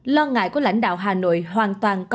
lo ngại của lãnh đạo hà nội hoàn toàn